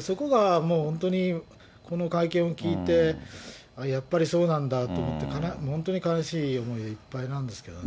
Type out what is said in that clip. そこがもう本当に、この会見を聞いて、やっぱりそうなんだと思って、本当に悲しい思いでいっぱいなんですけどね。